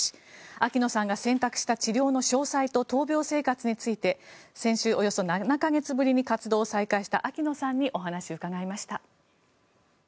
秋野さんが選択した治療の詳細と闘病生活について先週およそ７か月ぶりに活動を再開した秋野さんにお話を伺いました。